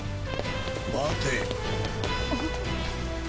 待て。